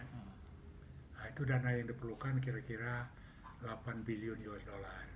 nah itu dana yang diperlukan kira kira delapan bilion usd